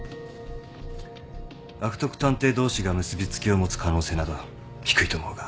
悪徳探偵同士が結び付きを持つ可能性など低いと思うが。